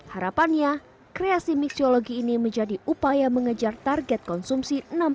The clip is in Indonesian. harapannya kreasi miksiologi ini menjadi upaya mengejar target konsumsi